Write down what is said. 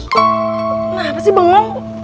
kenapa sih bengong